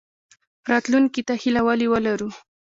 راتلونکي ته هیله ولې ولرو؟